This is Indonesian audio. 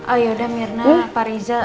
oh yaudah mirna pak riza